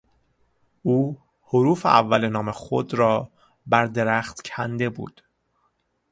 او حروف اول نام خود را بر درخت کنده بود.